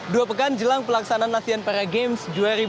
dua pekan jelang pelaksanaan asean para games dua ribu delapan belas